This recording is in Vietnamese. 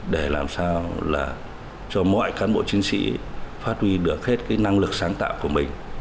để làm sao là cho mọi cán bộ chiến sĩ phát huy được hết cái năng lực sáng tạo của mình